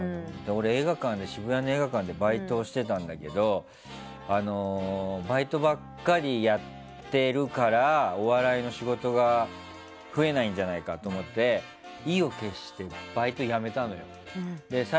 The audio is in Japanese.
俺、渋谷の映画館でバイトしてたんだけどバイトばかりやってるからお笑いの仕事が増えないんじゃないかと思って意を決してバイトをやめたのよ。